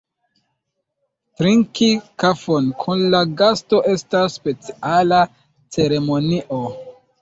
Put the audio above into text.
Trinki kafon kun la gasto estas speciala ceremonio.